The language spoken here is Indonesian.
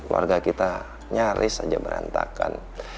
warga kita nyaris saja berantakan